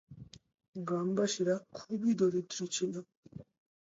গ্রামবাসীরা খুবই দরিদ্র ছিল।